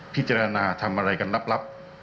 พิจารณาทำอะไรกันลับ